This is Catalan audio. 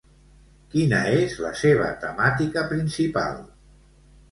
Quina és la seva temàtica principal?